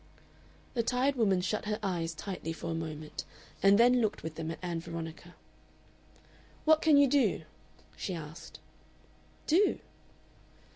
The tired woman shut her eyes tightly for a moment, and then looked with them at Ann Veronica. "What can you do?" she asked. "Do?"